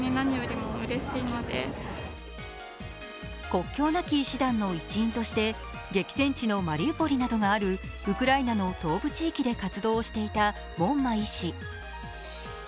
国境なき医師団の一員として激戦地のマリウポリなどがあるウクライナの東部地域で活動をしていた門馬医師。